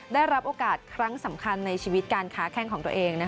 ได้รับโอกาสครั้งสำคัญในชีวิตการค้าแข้งของตัวเอง